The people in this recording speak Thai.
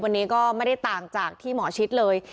วันนี้ก็ไม่ได้ต่างจากที่หมอชิดเลย